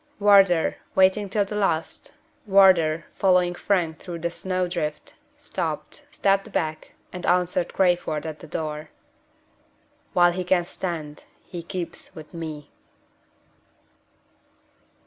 Wardour, waiting till the last Wardour, following Frank through the snow drift stopped, stepped back, and answered Crayford at the door: "While he can stand, he keeps with Me."